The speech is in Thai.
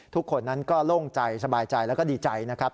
ทุกคนนั้นก็โล่งใจสบายใจแล้วก็ดีใจนะครับ